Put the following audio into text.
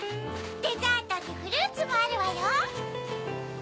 デザートにフルーツもあるわよ！